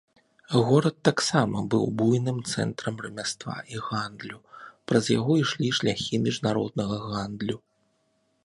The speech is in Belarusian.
Горад таксама быў буйным цэнтрам рамяства і гандлю, праз яго ішлі шляхі міжнароднага гандлю.